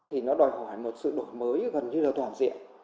thì nó đòi hỏi một sự đổi mới gần như là toàn diện